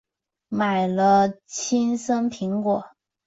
买了青森苹果